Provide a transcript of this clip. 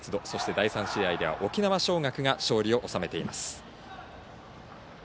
第３試合では沖縄尚学が勝利を収めています。